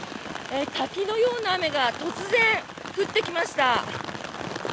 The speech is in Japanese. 滝のような雨が突然降ってきました。